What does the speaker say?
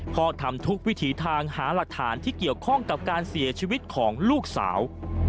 ทำทุกวิถีทางหาหลักฐานที่เกี่ยวข้องกับการเสียชีวิตของลูกสาว